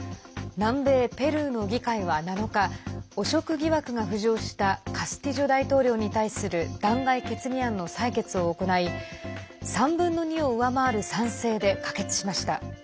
南米ペルーの議会は７日汚職疑惑が浮上したカスティジョ大統領に対する弾劾決議案の採決を行い３分の２を上回る賛成で可決しました。